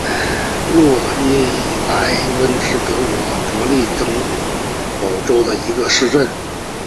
诺伊莱温是德国勃兰登堡州的一个市镇。